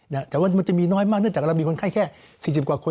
แต่ว่ามันจะมีน้อยมากเนื่องจากเรามีคนไข้แค่สี่สิบกว่าคน